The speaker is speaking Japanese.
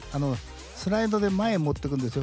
スライドで前へ持ってくんですよ